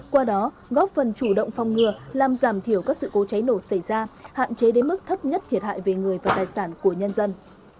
qua đó góp phần chủ động phòng ngừa làm giảm thiểu các sự cố cháy nổ xảy ra hạn chế đến mức thấp nhất thiệt hại về người và tài sản của nhân dân